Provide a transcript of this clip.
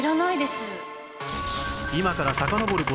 今からさかのぼる事